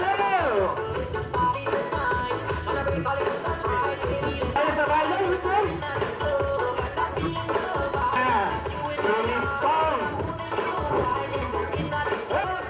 แอร์๑๒